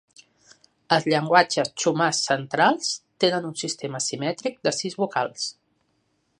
Els llenguatges Chumash centrals tenen un sistema simètric de sis vocals.